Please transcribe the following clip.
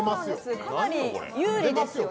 かなり有利ですよね。